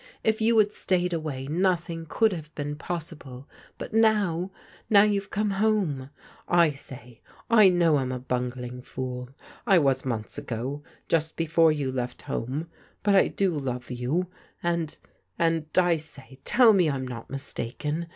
If you had stayed away nothing could have been possible, but now — now you've come home — ^I say, I know I'm a btmgling f(X)l. I was months ago, just before you left home, but I do love rau, and — and, I say, tell me I'm not mistaken.